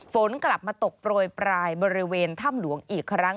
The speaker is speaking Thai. ฝนกลับมาตกโปรยปลายบริเวณถ้ำหลวงอีกครั้ง